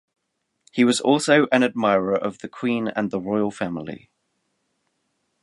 He was also an admirer of the Queen and the Royal Family.